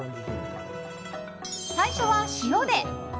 最初は塩で。